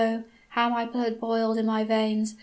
how my blood boiled in my veins!